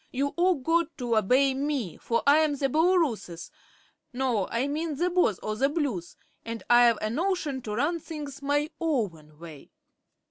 You've all got to obey me, for I'm the Booloorooess no, I mean the Boss o' the Blues, and I've a notion to run things my own way."